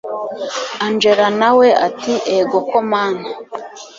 angella nawe ati egoko mana